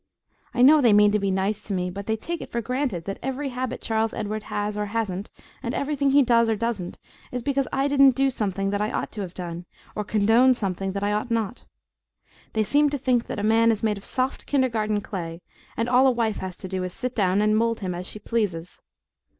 I know they mean to be nice to me, but they take it for granted that every habit Charles Edward has or hasn't, and everything he does or doesn't, is because I didn't do something that I ought to have done, or condoned something that I ought not. They seem to think that a man is made of soft, kindergarten clay, and all a wife has to do is to sit down and mould him as she pleases.